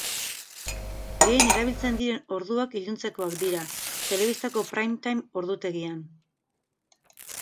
Gehien erabiltzen diren orduak iluntzekoak dira, telebistako prime time ordutegian.